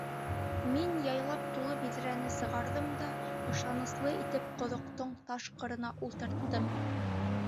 Мин яйлап тулы биҙрәне сығарҙым да ышансылы итеп ҡоҙоҡтоң таш ҡырына ултырттым.